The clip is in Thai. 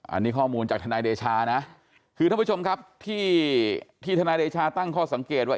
อันนี้ข้อมูลจากทนายเดชานะคือท่านผู้ชมครับที่ทนายเดชาตั้งข้อสังเกตว่า